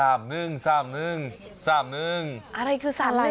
อะไรคือ๓๑